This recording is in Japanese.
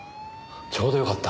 ちょうどよかった。